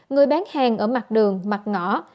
người bán hàng ở mặt đường mặt ngõ